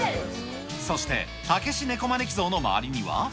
そして、たけし猫招き像の周りには。